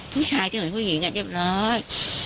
ผู้ชายจะเหมือนผู้หญิงเรียบร้อย